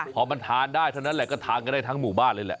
พอมันทานได้เท่านั้นแหละก็ทานกันได้ทั้งหมู่บ้านเลยแหละ